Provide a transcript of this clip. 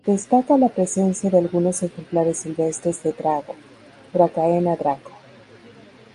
Destaca la presencia de algunos ejemplares silvestres de drago "Dracaena draco".